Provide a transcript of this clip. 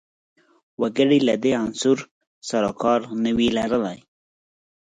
وګړي له دې عنصر سر و کار نه وي لرلای